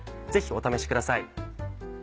ぜひお試しください。